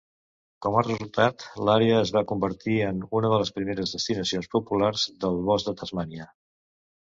Com a resultat, l'àrea es va convertir en una de les primeres destinacions populars de bosc de Tasmània.